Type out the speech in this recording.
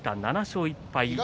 ７勝１敗。